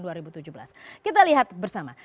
jadi kita lihat bersama